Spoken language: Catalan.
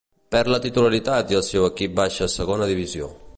Perd la titularitat i el seu equip baixa a Segona Divisió.